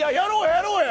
やろうや！